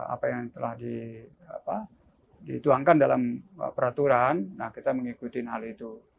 apa yang telah dituangkan dalam peraturan nah kita mengikuti hal itu